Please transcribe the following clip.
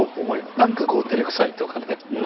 なんか照れくさいとかね。